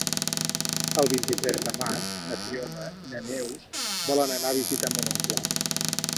El vint-i-tres de maig na Fiona i na Neus volen anar a visitar mon oncle.